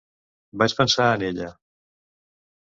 Vaig pensar en ella.